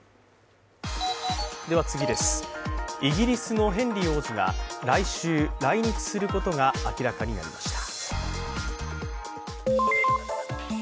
イギリスのヘンリー王子が来週、来日することが明らかになりました。